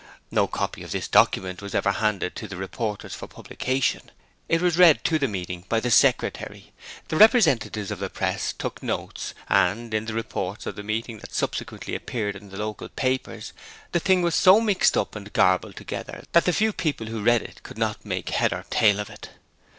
No copy of this document was ever handed to the reporters for publication; it was read to the meeting by the Secretary; the representatives of the Press took notes, and in the reports of the meeting that subsequently appeared in the local papers the thing was so mixed up and garbled together that the few people who read it could not make head or tail of it.